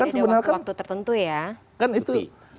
jadi ada waktu tertentu ya cuti